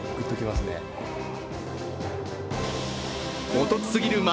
お得すぎる町